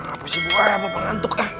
apa sih apa pengantuk